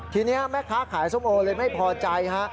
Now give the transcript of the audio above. ทีนี้แม่ค้าขายส้มโอเลยไม่พอใจฮะ